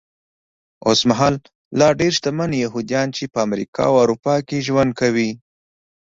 اوسمهال لا ډېر شتمن یهوديان چې په امریکا او اروپا کې ژوند کوي.